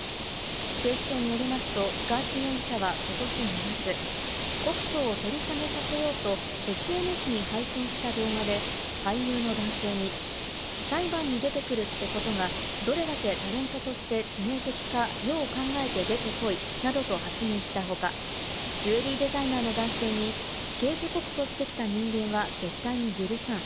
警視庁によりますとガーシー容疑者は、ことし２月、告訴を取り下げさせようとＳＮＳに配信した動画で、俳優の男性に裁判に出てくるってことが、どれだけタレントとして致命的かよく考えて出てこいなどと発言した他、ジュエリーデザイナーの男性に刑事告訴してきた人間は絶対に許さん。